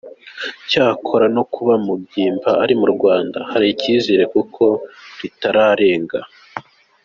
Cyakora, no kuba Mugimba ari mu Rwanda, hari icyizere kuko ritararenga.